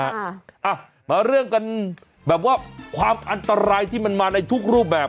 อ่ะมาเรื่องกันแบบว่าความอันตรายที่มันมาในทุกรูปแบบ